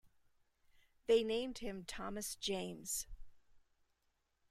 They named him Thomas James.